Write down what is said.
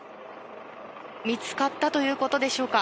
見つかったということでしょうか。